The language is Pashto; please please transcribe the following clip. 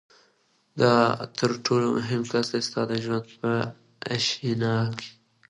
دا تر ټولو مهم کس دی ستا د ژوند په آشیانه کي